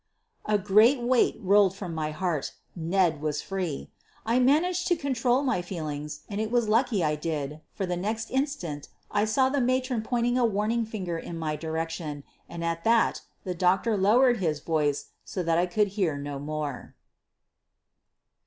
' A great weight rolled from my heart — Ned was free ! I managed to control my feelings and it was lucky I did, for the next instant I saw the matron point a warning finger in my direction, and at that the doctor lowered his voice so that I could hear no more.